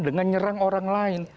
dengan nyerang orang lain